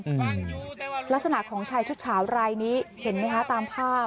อืมลักษณะของชายชุดขาวรายนี้เห็นไหมคะตามภาพ